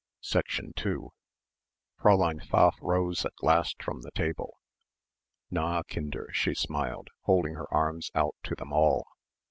2 Fräulein Pfaff rose at last from the table. "Na, Kinder," she smiled, holding her arms out to them all.